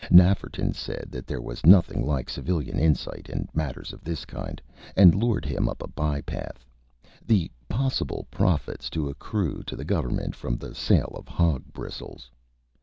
Nafferton said that there was nothing like Civilian insight in matters of this kind, and lured him up a bye path "the possible profits to accrue to the Government from the sale of hog bristles."